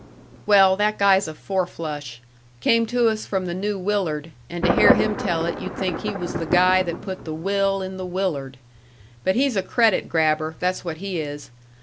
"Well, that guy's a four flush. Came to us from the New Willard, and to hear him tell it you'd think he was the guy that put the "will" in the Willard. But he's a credit grabber, that's what he is.